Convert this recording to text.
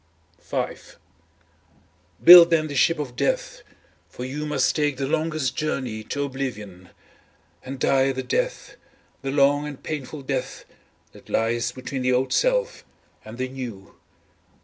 V Build then the ship of death, for you must take the longest journey, to oblivion. And die the death, the long and painful death that lies between the old self and the new.